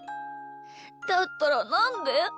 だったらなんで？